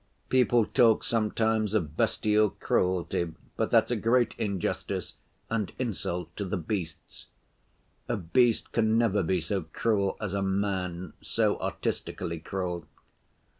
People talk sometimes of bestial cruelty, but that's a great injustice and insult to the beasts; a beast can never be so cruel as a man, so artistically cruel.